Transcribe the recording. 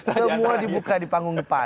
semua dibuka di panggung depan